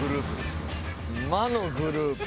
「魔のグループ」。